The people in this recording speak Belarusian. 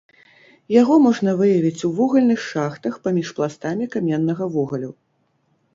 Яго можна выявіць у вугальных шахтах паміж пластамі каменнага вугалю.